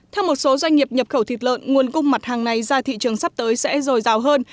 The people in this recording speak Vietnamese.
theo một số doanh nghiệp nhập khẩu thịt lợn nguồn cung mặt hàng này ra thị trường sắp tới sẽ dồi dào hơn